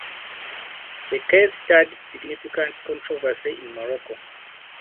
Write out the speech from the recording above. The case stirred significant controversy in Morocco.